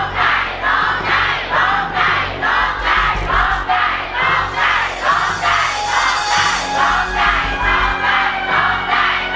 เพลงที่๑นะครับ